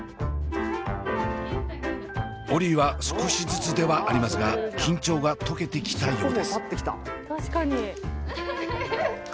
オリィは少しずつではありますが緊張が解けてきたようです。